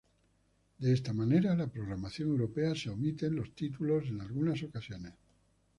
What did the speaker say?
De esta manera, la programación europea, se omiten los títulos en algunas ocasiones.